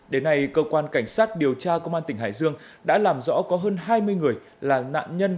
đến nay cơ quan cảnh sát điều tra công an tỉnh hải dương đã làm rõ có hơn hai mươi người là nạn nhân